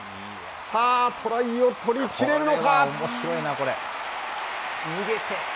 さあ、トライを取り切れるのか？